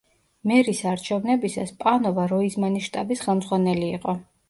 მერის არჩევნებისას, პანოვა როიზმანის შტაბის ხელმძღვანელი იყო.